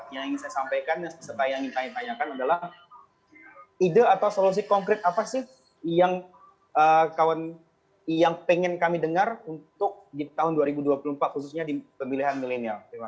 yang ingin saya sampaikan yang saya ingin tanyakan adalah ide atau solusi konkret apa sih yang kawan yang pengen kami dengar untuk di tahun dua ribu dua puluh empat khususnya di pemilihan milenial